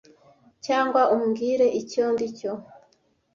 cyangwa umbwire icyo ndi cyo